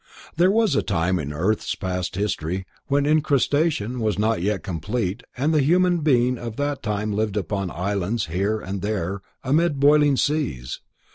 There was a time in the earth's past history when incrustation was not yet complete, and human beings of that time lived upon islands here and there, amid boiling seas.